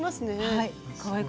はい。